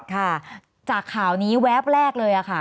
ค่ะจากข่าวนี้แวบแรกเลยค่ะ